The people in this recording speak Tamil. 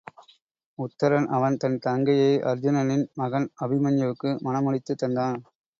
உத்தரன் அவன் தன் தங்கையை அருச்சுனனின் மகன் அபிமன்யுவுக்கு மணம் முடித்துத் தந்தான்.